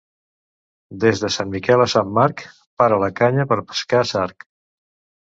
Des de Sant Miquel a Sant Marc para la canya per pescar sarg.